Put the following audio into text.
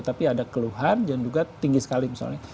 tapi ada keluhan dan juga tinggi sekali misalnya